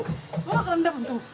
nggak rendam tuh